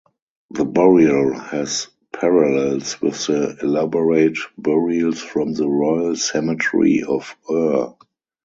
The burial has parallels with the elaborate burials from the Royal Cemetery of Ur.